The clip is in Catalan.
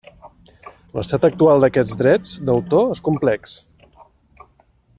L'estat actual d'aquests drets d'autor és complex.